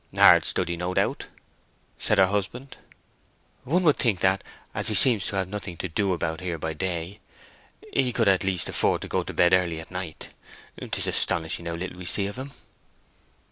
"Hard study, no doubt," said her husband. "One would think that, as he seems to have nothing to do about here by day, he could at least afford to go to bed early at night. 'Tis astonishing how little we see of him."